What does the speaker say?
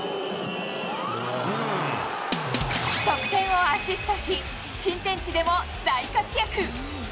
得点をアシストし、新天地でも大活躍。